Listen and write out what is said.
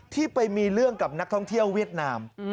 ที่ไปมีเรื่องกับนักท่องเที่ยวเวียดนาม